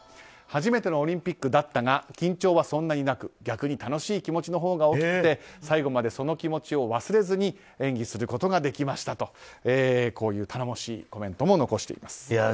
初めてのオリンピックだったが緊張はそんなになく逆に楽しい気持ちのほうが大きくて最後までその気持ちを忘れずに演技することができましたという頼もしいコメントも残しています。